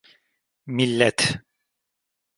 Millet.